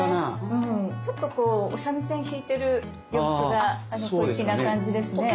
ちょっとこうお三味線弾いてる様子が小粋な感じですね。